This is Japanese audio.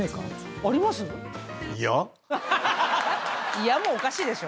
「いや」もおかしいでしょ。